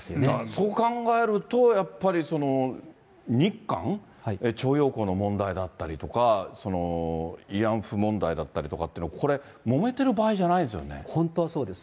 そう考えると、やっぱり、その日韓、徴用工の問題だったりとか、慰安婦問題だったりとかっていうのは、これ、もめてる場合じゃな本当はそうです。